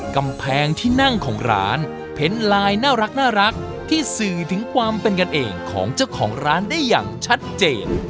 กำแพงที่นั่งของร้านเห็นลายน่ารักที่สื่อถึงความเป็นกันเองของเจ้าของร้านได้อย่างชัดเจน